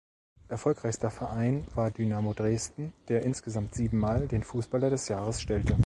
Erfolgreichster Verein war Dynamo Dresden, der insgesamt sieben Mal den Fußballer des Jahres stellte.